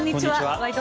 「ワイド！